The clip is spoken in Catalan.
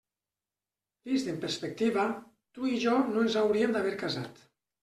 Vist en perspectiva, tu i jo no ens hauríem d'haver casat.